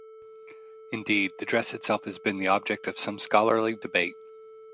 Indeed, the dress itself has been the object of some scholarly debate.